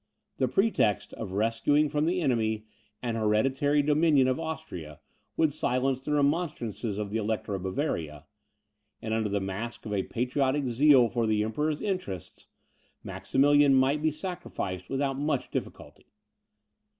The pretext of rescuing from the enemy an hereditary dominion of Austria, would silence the remonstrances of the Elector of Bavaria, and, under the mask of a patriotic zeal for the Emperor's interests, Maximilian might be sacrificed without much difficulty.